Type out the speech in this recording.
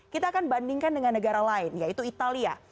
kita akan bandingkan dengan negara lain yaitu italia